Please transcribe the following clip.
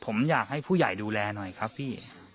ผมอยากให้ผู้ใหญ่ดูแลหน่อยครับพี่